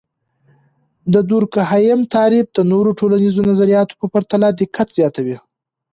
د دورکهايم تعریف د نورو ټولنیزو نظریاتو په پرتله دقت زیاتوي.